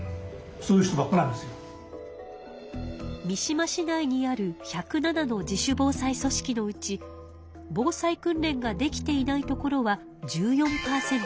三島市内にある１０７の自主防災組織のうち防災訓練ができていない所は１４％。